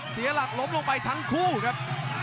เสียหลักล้มลงไปทั้งคู่ครับ